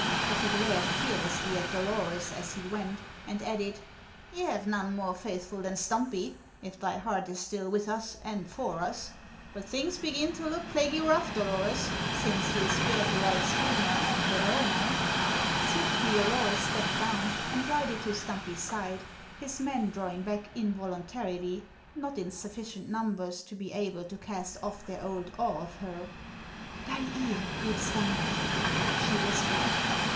But he glared fearlessly at Dolores as he went, and added: "Ye have none more faithful than Stumpy, if thy heart is still with us and for us. But things begin to look plaguey rough, Dolores, since ye spared the white schooner and her owner." Swiftly Dolores stepped down and glided to Stumpy's side, his men drawing back involuntarily, not in sufficient numbers to be able to cast off their old awe of her. "Thy ear, good Stumpy," she whispered.